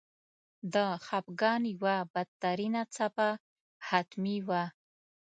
د خپګان یوه بدترینه څپه حتمي وه.